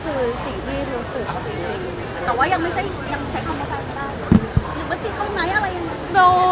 หรือปฏิกิจตรงไหน